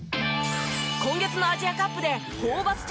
今月のアジアカップでホーバス